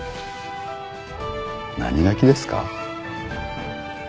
何泣きですか？